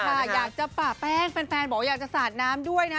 อยากจะป่าแป้งแฟนบอกว่าอยากจะสาดน้ำด้วยนะ